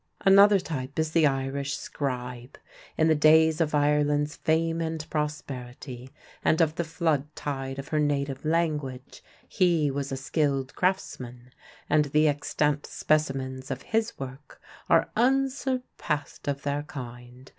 Another type is the Irish scribe. In the days of Ireland's fame and prosperity and of the flood tide of her native language, he was a skilled craftsman, and the extant specimens of his work are unsurpassed of their kind.